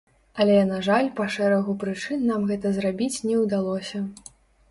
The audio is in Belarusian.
Але, на жаль, па шэрагу прычын нам гэта зрабіць не ўдалося.